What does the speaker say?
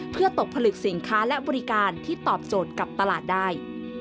เพื่อตกผลึกสินค้าและบริการที่ตอบโจทย์กับตลาดได้